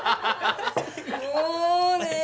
もう！ねえ。